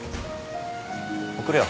送るよ。